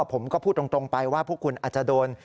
ผมก็พูดตรงไปว่าพวกคุณอาจจะโดน